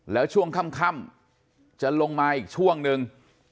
แล้วช่วงค่ำจะลงมาอีกช่วงนึง